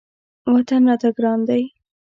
وطن راته ګران دی.